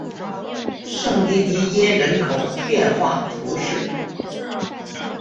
圣迪迪耶人口变化图示